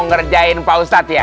ngerjain pak ustadz ya